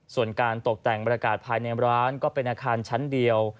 ส่วนการตกแต่งบรรยากาศภายในร้านก็เป็นอาคารชั้นเดียว